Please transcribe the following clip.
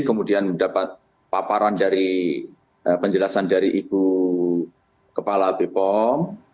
kemudian mendapat paparan dari penjelasan dari ibu kepala bepom